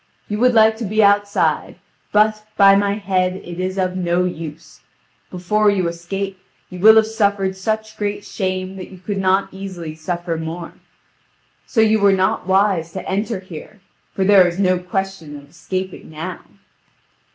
You would like to be outside: but, by my head, it is of no use. Before you escape you will have suffered such great shame that you could not easily suffer more; so you were not wise to enter here, for there is no question of escaping now."